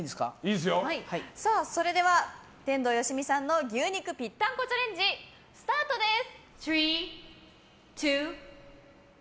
それでは天童よしみさんの牛肉ぴったんこチャレンジスタートです！